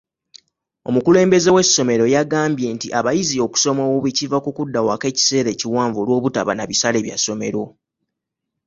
Omukulembeze w'essomero yagambye nti abayizi okusoma obubi kiva ku kudda waka ekiseera ekiwanvu olw'obutaba na bisale bya ssomero.